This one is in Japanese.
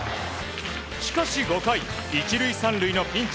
しかし５回、１塁３塁のピンチ。